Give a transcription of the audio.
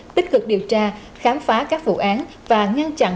tích cực điều tra khám phá các vụ án và ngăn chặn hoạt động